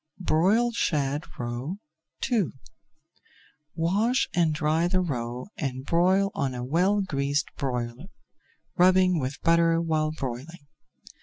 BROILED SHAD ROE II Wash and dry the roe and broil on a well greased broiler, rubbing with butter while broiling.